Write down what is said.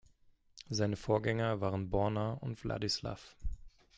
Seine Vorgänger waren Borna und Vladislav.